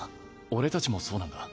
俺たちもそうなんだ。